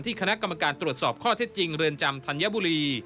คณะกรรมการตรวจสอบข้อเท็จจริงเรือนจำธัญบุรี